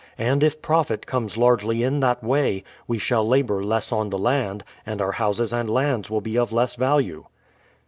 And if profit comes largely in that way, we shall labour less on the land, and our houses and lands will be of less value.